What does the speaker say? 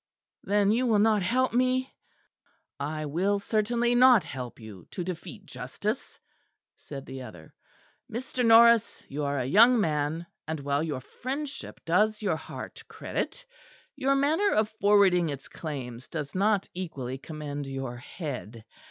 "Then you will not help me?" "I will certainly not help you to defeat justice," said the other. "Mr. Norris, you are a young man; and while your friendship does your heart credit, your manner of forwarding its claims does not equally commend your head.